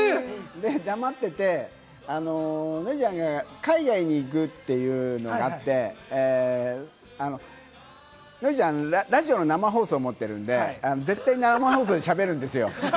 黙ってて、ノリちゃんが海外に行くっていうのがあって、ノリちゃん、ラジオの生放送を持ってるので絶対に生放送で喋るんですよ。